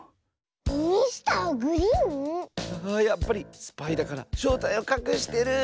やっぱりスパイだからしょうたいをかくしてる！